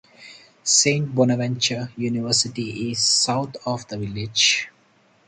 Saint Bonaventure University is south of the village.